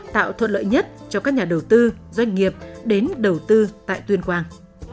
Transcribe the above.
tạo thuận lợi nhất cho các nhà đầu tư doanh nghiệp đến đầu tư tại tuyên quang